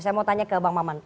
saya mau tanya ke bang maman